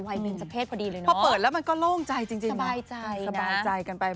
วัยปริญญาเทศพอดีเลยเนอะสบายใจนะพอเปิดแล้วมันก็โล่งใจจริงมาสบายใจ